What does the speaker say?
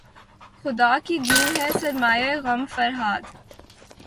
خدا کی دین ہے سرمایۂ غم فرہاد